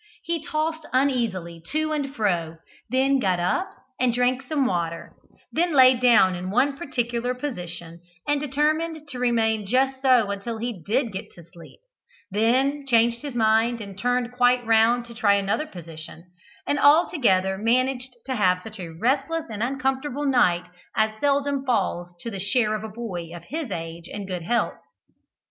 He tossed uneasily to and fro, then got up and drank some water, then laid down in one particular position, and determined to remain just so until he did get to sleep then changed his mind and turned quite round to try another position, and altogether managed to have such a restless and uncomfortable night as seldom falls to the share of a boy of his age and good health.